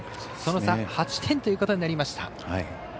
その差８点ということになりました。